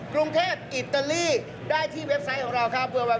กรุงเทพอิตาลีได้ที่เว็บไซต์ของเราครับ